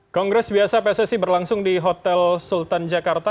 kongres biasa pssi berlangsung di hotel sultan jakarta